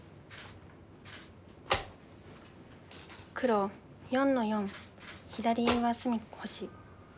黒４の四左上隅星。